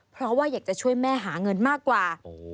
เพราะว่าอยากจะช่วยแม่หาเงินมากกว่า